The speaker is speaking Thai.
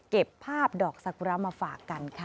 เก็บภาพดอกสกุระมาฝากกันค่ะ